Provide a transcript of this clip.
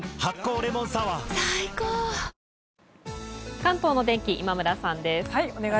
関東の天気、今村さんです。